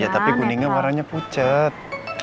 ya tapi kuningan warnanya pucat